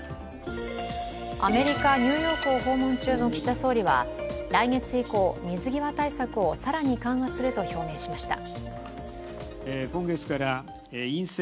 アメリカ・ニューヨークを訪問中の岸田総理は来月以降、水際対策を更に緩和すると表明しました。